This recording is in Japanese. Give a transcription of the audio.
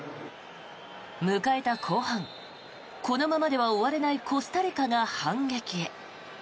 迎えた後半このままでは終われないコスタリカが反撃へ。